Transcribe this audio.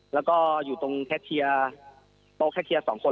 แล้วก็อยู่ตรงแคทเฮีย๒คน